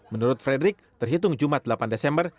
menurut frederick terhitung jumat delapan desember